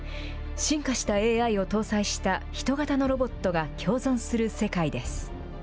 進化したＡＩを搭載した人型のロボットが共存する世界です。